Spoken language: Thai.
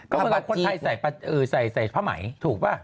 ก็เวลาคนไทยใส่ผ้าไหมถูกป่ะ